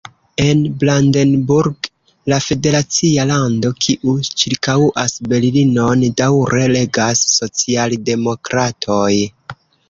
En Brandenburg, la federacia lando, kiu ĉirkaŭas Berlinon, daŭre regas socialdemokratoj.